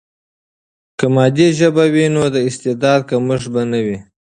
که مادي ژبه وي، نو د استعداد کمښت به نه وي.